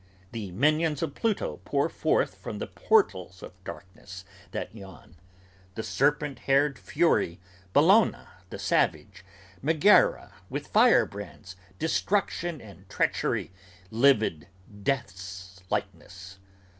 The minions of Pluto pour forth from the portals of darkness That yawn: the serpent haired Fury, Bellona the Savage, Megoera with firebrands, destruction, and treachery, livid Death's likeness!